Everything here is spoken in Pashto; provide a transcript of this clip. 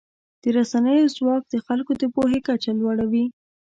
د رسنیو ځواک د خلکو د پوهې کچه لوړوي.